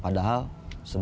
padahal semua udah terjadi